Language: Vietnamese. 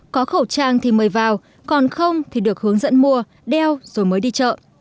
có khẩu trang thì mời vào còn không thì được hướng dẫn mua đeo rồi mới đi chợ